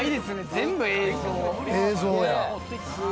全部映像。